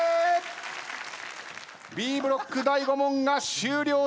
Ｂブロック第５問が終了しました。